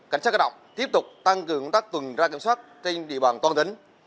cảnh sát cơ động tiếp tục tăng cường tác tuần tra kiểm soát trên địa bàn toàn tính